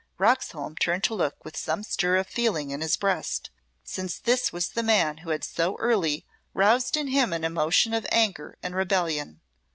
Roxholm turned to look with some stir of feeling in his breast, since this was the man who had so early roused in him an emotion of anger and rebellion.